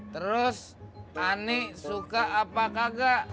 terus kani suka apa kagak